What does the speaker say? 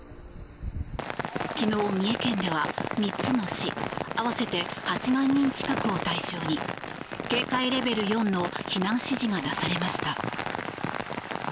昨日、三重県では３つの市合わせて８万人近くを対象に警戒レベル４の避難指示が出されました。